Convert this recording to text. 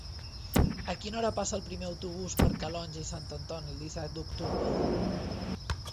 A quina hora passa el primer autobús per Calonge i Sant Antoni el disset d'octubre?